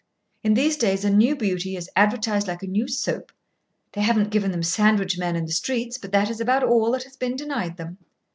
In these days a new beauty is advertised like a new soap. They haven't given them sandwich men in the streets, but that is about all that has been denied them.